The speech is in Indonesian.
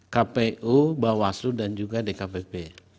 kpu bawaslu dan juga dkpp